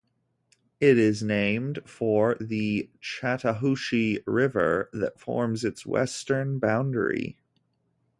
It is named for the Chattahoochee River that forms its western boundary.